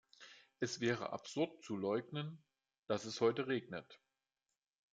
Es wäre absurd zu leugnen, dass es heute regnet.